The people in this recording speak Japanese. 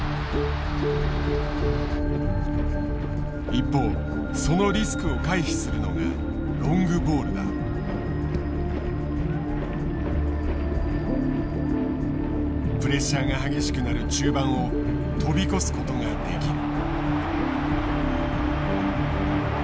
一方そのリスクを回避するのがプレッシャーが激しくなる中盤を飛び越すことができる。